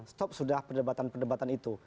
stop sudah perdebatan perdebatan itu